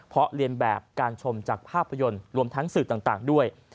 เพราะเรียนแบบการชมจากภาพยนตร์รวมทั้งสื่อต่างด้วย